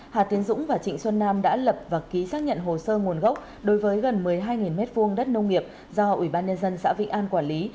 hà tiến dũng và trịnh xuân nam đã lập và ký xác nhận hồ sơ nguồn gốc đối với gần một mươi hai m hai đất nông nghiệp do ubnd xã vĩnh an quản lý